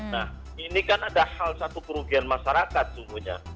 nah ini kan ada hal satu kerugian masyarakat sungguhnya